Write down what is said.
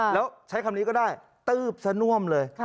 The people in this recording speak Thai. แล้วใช้คำนี้ก็ได้ตื๊บซะน่วมเลย